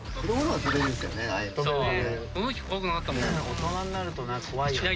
大人になるとな怖いよなぁ。